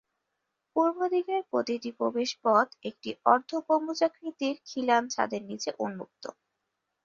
পূর্ব দিকের প্রতিটি প্রবেশপথ একটি অর্ধগম্বুজাকৃতির খিলান ছাদের নিচে উন্মুক্ত।